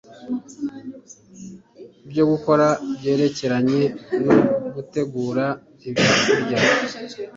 byo gukora byerekeranye no gutegura ibyokurya